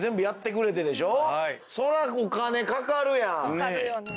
かかるよね。